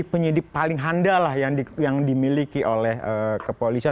jadi penyidik paling handal lah yang dimiliki oleh kepolisian